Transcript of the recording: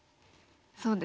そうですね